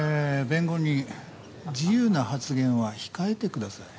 弁護人自由な発言は控えてください。